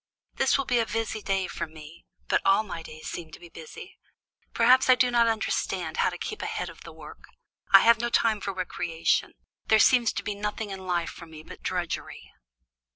This will be a busy day with me, but all my days seem to be busy. Perhaps I do not understand how to keep ahead of the work. I have no time for recreation; there seems to be nothing in life for me but drudgery."